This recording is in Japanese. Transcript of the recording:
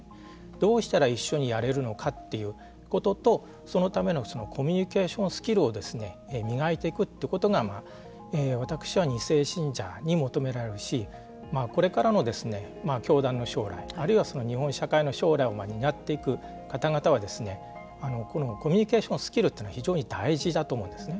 どうしたら一緒にやれるのかということとそのためのコミュニケーションスキルを磨いていくことが私は、２世信者に求められるしこれからの教団の将来あるいは日本社会の将来を担っていく方々はですねコミュニケーションスキルというのは非常に大事だと思うんですね。